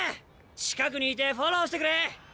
近くにいてフォローしてくれ！